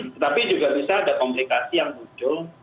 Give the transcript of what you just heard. tetapi juga bisa ada komplikasi yang muncul